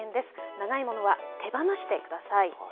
長いものは手放してください。